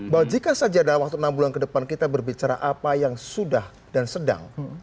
bahwa jika saja dalam waktu enam bulan ke depan kita berbicara apa yang sudah dan sedang